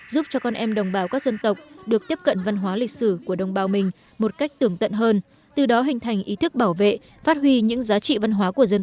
giúp cho con em đồng bào các dân tộc được tiếp cận văn hóa lịch sử của đồng bào mình một cách tưởng tận hơn từ đó hình thành ý thức bảo vệ phát huy những giá trị văn hóa của dân tộc